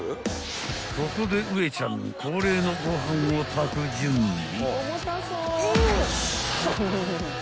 ［ここでウエちゃん恒例のご飯を炊く準備］